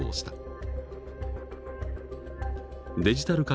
デジタル化